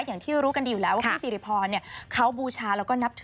อย่างที่รู้กันดีอยู่แล้วว่าพี่สิริพรเขาบูชาแล้วก็นับถือ